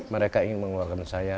mereka ingin mengeluarkan saya